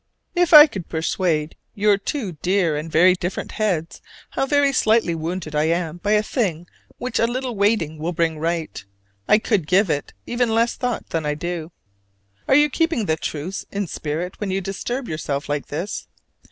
If I could persuade your two dear and very different heads how very slightly wounded I am by a thing which a little waiting will bring right, I could give it even less thought than I do. Are you keeping the truce in spirit when you disturb yourself like this?